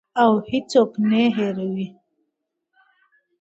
او هیڅوک نه هیروي.